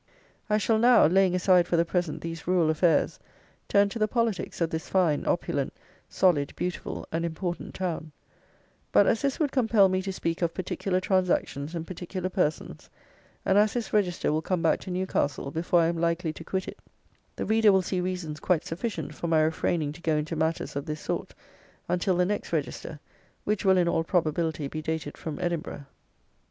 I shall now, laying aside for the present these rural affairs, turn to the politics of this fine, opulent, solid, beautiful, and important town; but as this would compel me to speak of particular transactions and particular persons, and as this Register will come back to Newcastle before I am likely to quit it, the reader will see reasons quite sufficient for my refraining to go into matters of this sort, until the next Register, which will in all probability be dated from Edinburgh.